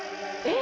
え？